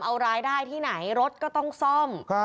เอารายได้ที่ไหนรถก็ต้องซ่อม